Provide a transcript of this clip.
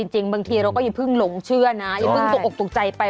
จริงเราก็ยังเพิ่งหลงเชื่อนะยังพึ่งสกออกตกใจไป